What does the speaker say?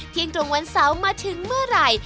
ตรงวันเสาร์มาถึงเมื่อไหร่